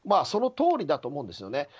そのとおりだと思うんですね。